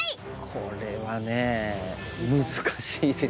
これはね難しいですね。